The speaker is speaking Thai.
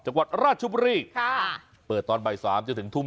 จังหวัดราชุบรีเปิดตอนบ่าย๓ที่ถึงทุ่ม๑